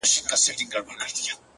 دوی ته د عذاب بشارت ورکړه.